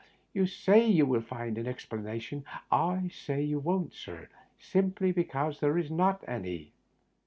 41 you say you will j5nd an explanation. I Bay that you won't, sir, simply because there is not any."